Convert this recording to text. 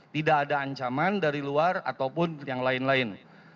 tidak ada ancaman dari luar ataupun yang lain lain